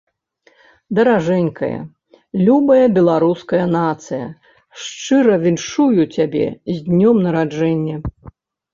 Даражэнькая, любая Беларуская Нацыя, шчыра віншую цябе з Днём Нараджэння!